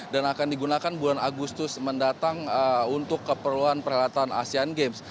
dan akan digunakan bulan agustus mendatang untuk keperluan perhelatan asean games